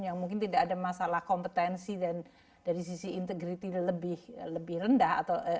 yang mungkin tidak ada masalah kompetensi dan dari sisi integriti lebih rendah atau lebih baik